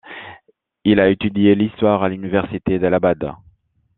Il a étudié l'histoire à l'université d'Allahabad.